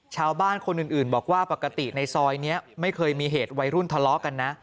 ชาวบ้านคนอื่นบอกว่าปกติในซอยนี้ไม่เคยมีเหตุวัยรุ่นทะเลาะกันนะ